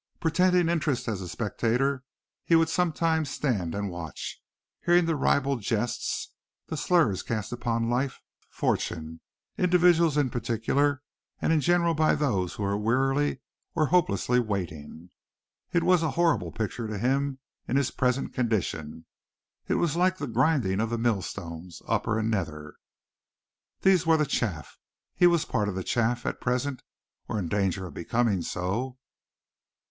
Pretending interest as a spectator, he would sometimes stand and watch, hearing the ribald jests, the slurs cast upon life, fortune, individuals in particular and in general by those who were wearily or hopelessly waiting. It was a horrible picture to him in his present condition. It was like the grinding of the millstones, upper and nether. These were the chaff. He was a part of the chaff at present, or in danger of becoming so.